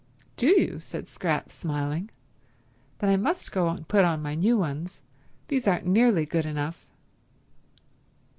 "Do you?" said Scrap, smiling. "Then I must go and put on my new ones. These aren't nearly good enough."